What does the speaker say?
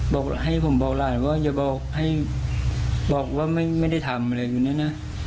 บอกให้ผมบอกหลานว่าอย่าบอกให้บอกว่าไม่ได้ทำอะไรอยู่เนี่ยนะ